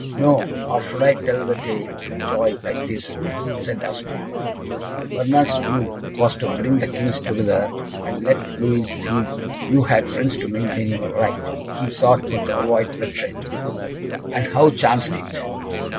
"No, or should I tell the tale with joy like this?" said Osmond. "Bernard's view was to bring the Kings together, and let Louis see you had friends to maintain your right. He sought but to avoid bloodshed." "And how chanced it?"